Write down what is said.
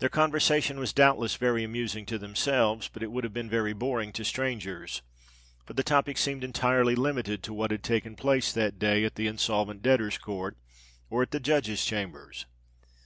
Their conversation was doubtless very amusing to themselves; but it would have been very boring to strangers;—for the topic seemed entirely limited to what had taken place that day at the Insolvent Debtors' Court, or at the Judges' Chambers.